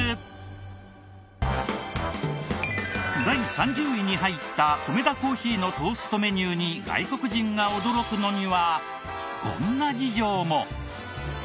第３０位に入ったコメダ珈琲のトーストメニューに外国人が驚くのにはこんな事情も。